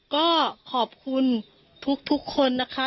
ก็ขอบคุณทุกคนนะคะ